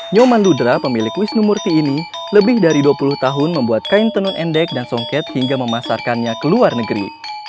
nyoman ludra pemilik wisnu murti ini lebih dari dua puluh tahun membuat kain tenun endek dan songket hingga memasarkannya ke luar negeri